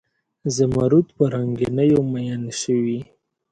زمرود په رنګینیو میین شوي